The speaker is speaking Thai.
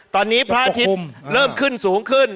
ตอนนี้พระอาทิตย์เริ่มขึ้นสูงขึ้น